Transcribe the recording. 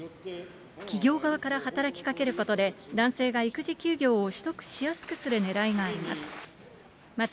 企業側から働きかけることで、男性が育児休業を取得しやすくするねらいがあります。